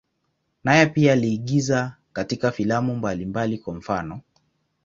Naye pia aliigiza katika filamu mbalimbali, kwa mfano.